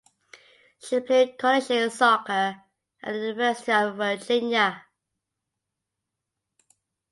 She played collegiate soccer at the University of Virginia.